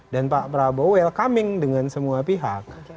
dan pak prabowo welcoming dengan semua pihak